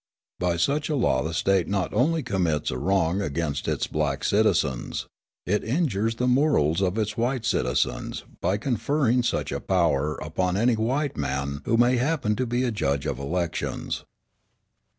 By such a law the State not only commits a wrong against its black citizens; it injures the morals of its white citizens by conferring such a power upon any white man who may happen to be a judge of elections.